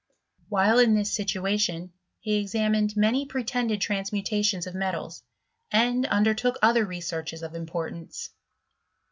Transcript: While in this situation, he examined many pretended transmutations of metals, and under took other researches of importance.